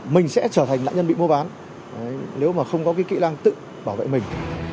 mình sẽ trở thành nạn nhân bị mua bán nếu mà không có cái kỹ năng tự bảo vệ mình